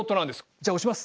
じゃ押します。